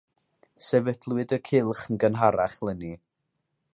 Sefydlwyd y cylch yn gynharach 'leni.